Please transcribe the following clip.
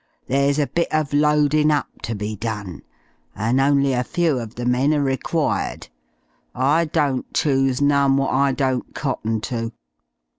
There's a bit uf loadin' up ter be done, an' only a few uv the men are required. I don't choose none wot I don't cotton to.'